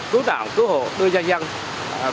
cứu tạo cứu hộ đưa cho dân dân